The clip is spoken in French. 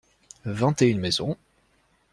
Vingt et une maisons.